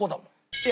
いや。